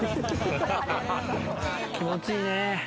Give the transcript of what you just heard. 気持ちいいね。